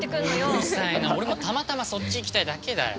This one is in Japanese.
うるさいな俺もたまたまそっち行きたいだけだよ。